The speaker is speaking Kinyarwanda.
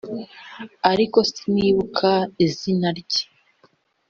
ariko sinibuka izina rye